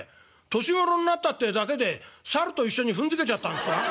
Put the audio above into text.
年頃になったってだけでサルと一緒に踏んづけちゃったんすか？」。